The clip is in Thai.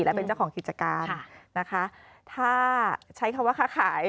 และเป็นเจ้าของกิจการนะคะถ้าใช้คำว่าค้าขาย